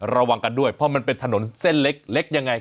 ระวังกันด้วยเพราะมันเป็นถนนเส้นเล็กยังไง